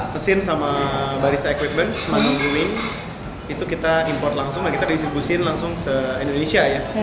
mesin sama baris equipment booing itu kita import langsung dan kita distribusikan langsung ke indonesia ya